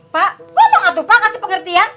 pak ngomong atau pak kasih pengertian